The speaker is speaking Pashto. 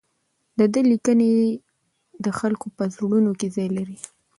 د ده لیکنې د خلکو په زړونو کې ځای لري.